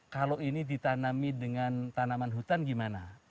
kalau ini ditanami dengan tanaman hutan gimana